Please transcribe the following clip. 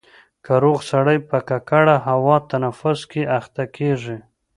که روغ سړی په ککړه هوا تنفس کړي اخته کېږي.